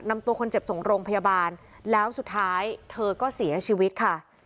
นำตัวคนเจ็บส่งโรงพยาบาลแล้วสุดท้ายเธอก็เสียชีวิตค่ะ